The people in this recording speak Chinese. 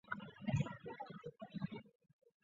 此书注重对汉字结构的分析和词义的辨析。